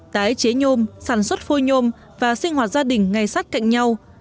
tái chế nhôm sản xuất phôi nhôm và sinh hoạt gia đình ngay sát cạnh nhau